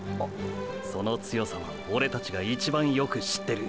その強さはオレたちが一番よく知ってる！！